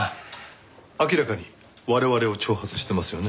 明らかに我々を挑発してますよね。